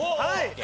はい！